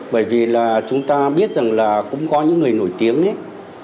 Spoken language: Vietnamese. bởi vì là chúng ta biết rằng là cũng có những người nổi tiếng nhất